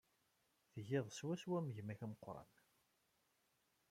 Tgiḍ swaswa am gma-k ameqran.